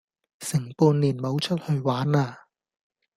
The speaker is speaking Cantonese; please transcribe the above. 成半年冇出去玩喇